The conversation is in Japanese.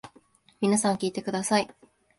皆さん聞いてください。